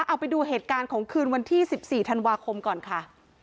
เอาไปดูเหตุการณ์ของคืนวันที่๑๔ธันวาคมก่อนค่ะ